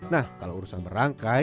nah kalau urusan berangkai